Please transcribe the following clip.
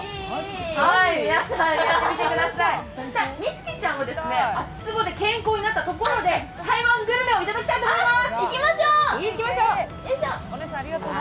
美月ちゃんは足つぼで健康になったところで台湾グルメをいただきたいと思います。